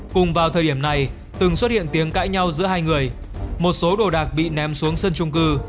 cùng vào thời điểm này từng xuất hiện tiếng cãi nhau giữa hai người một số đồ đạc bị ném xuống sân trung cư